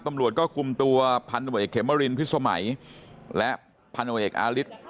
ตำรวจก็กลุ่มตัวพันธุ์บัวเอกเขมรินภิษมมัยและพันธุ์บัวเอกอาริส